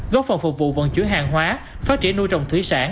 góp phần phục vụ vận chuyển hàng hóa phát triển nuôi trồng thủy sản